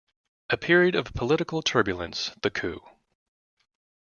A period of political turbulence the coup.